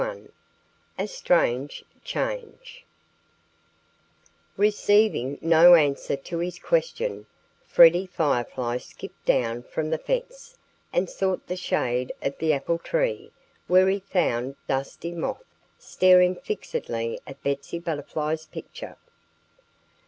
XXI A STRANGE CHANGE RECEIVING no answer to his question, Freddie Firefly skipped down from the fence and sought the shade of the apple tree, where he found Dusty Moth staring fixedly at Betsy Butterfly's picture.